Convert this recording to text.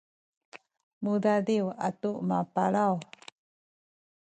mudadiw atu mapalaw